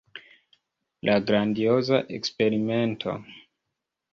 La grandioza Eksperimento.